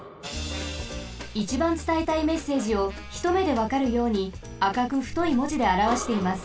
いちばんつたえたいメッセージをひとめでわかるようにあかくふといもじであらわしています。